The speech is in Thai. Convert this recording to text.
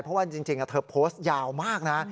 เพราะว่าจริงเธอโพสต์ยาวมากนะ